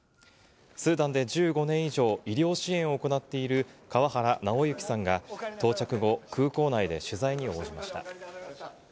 スーダンで１５年以上、医療支援を行っている川原尚行さんが到着後、空港内で取材に応じました。